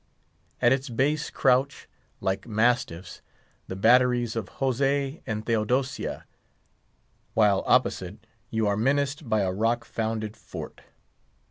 At its base crouch, like mastiffs, the batteries of Jose and Theodosia; while opposite, you are menaced by a rock founded fort.